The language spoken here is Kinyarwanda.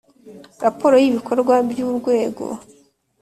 Raporo y ibikorwa by urwego